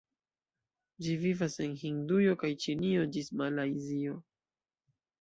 Ĝi vivas en Hindujo kaj Ĉinio ĝis Malajzio.